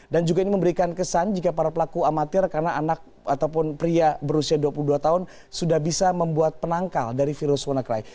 dan juga ini memberikan kesan jika para pelaku amatir karena anak ataupun pria berusia dua puluh dua tahun sudah bisa membuat penangkal dari virus wannacry